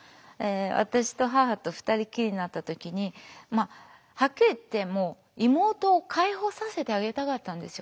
私と母と二人っきりになった時にまあはっきり言ってもう妹を解放させてあげたかったんですよ。